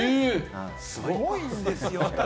すごいんですよ。